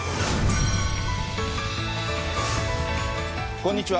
こんにちは。